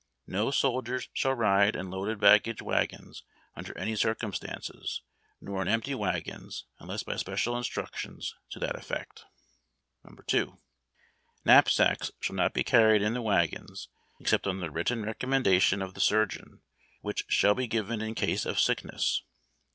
No soldiers shall ride in loaded bao o acre wao'ons under any circumstances, nor in empty wagons unless by special in structions to that effect. " 2. Knapsacks shall not be carried in the wagons except on the written recommendation of the surgeon, whicli sliall be given in case of sickness.